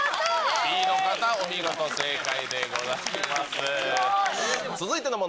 Ｂの方、お見事正解でございます。